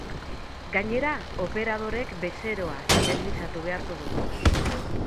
Gainera, operadoreek bezeroa indemnizatu beharko du.